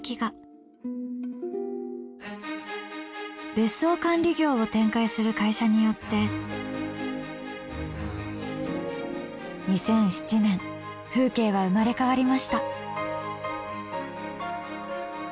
別荘管理業を展開する会社によって２００７年風景は生まれ変わりました。